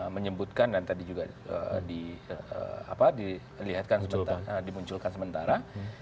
menyebutkan dan tadi juga dilihatkan dimunculkan sementara